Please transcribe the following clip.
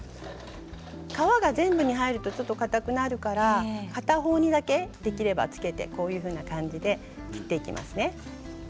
皮が全部に入るとかたくなるから片方にだけ、できればこういうふうな感じで切っていきます。